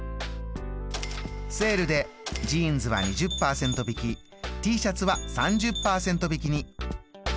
セールでジーンズは２０％引きＴシャツは３０％引きに。